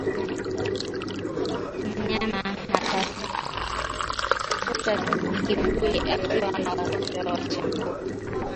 Mnyama hutafuta kivuli akiwa na ugonjwa wa chambavu